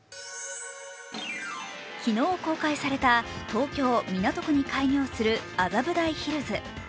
昨日公開された東京・港区に開業する麻布台ヒルズ。